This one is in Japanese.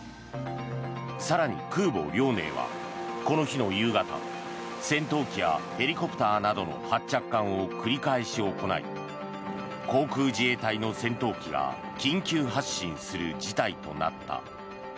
更に、空母「遼寧」はこの日の夕方戦闘機やヘリコプターなどの発着艦を繰り返し行い航空自衛隊の戦闘機が緊急発進する事態となった。